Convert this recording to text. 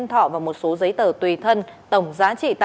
trở lại trường